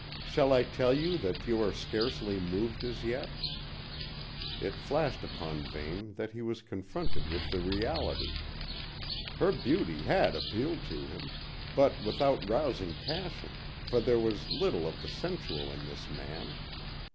Shall I tell you that you are scarcely moved as yet?" It flashed upon Vane that he was confronted with the reality. Her beauty had appealed to him, but without rousing passion, for there was little of the sensual in this man.